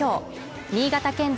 新潟県勢